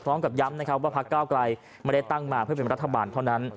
พร้อมกับย้ำนะครับว่าพักเก้าไกลไม่ได้ตั้งมาเพื่อเป็นรัฐบาลเท่านั้น